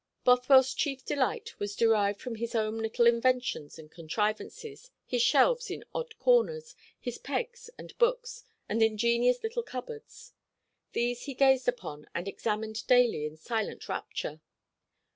Bothwell's chief delight was derived from his own little inventions and contrivances, his shelves in odd corners, his pegs and books, and ingenious little cupboards. These he gazed upon and examined daily in silent rapture.